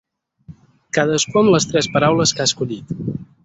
Cadascú amb les tres paraules que ha escollit.